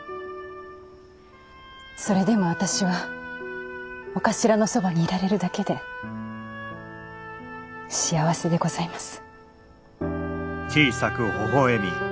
それでも私はお頭のそばにいられるだけで幸せでございます。